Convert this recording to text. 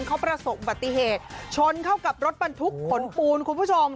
เข้าปรสภีกียีดชนเข้ากับรถบรรทุกผลปูร์คุณผู้ชม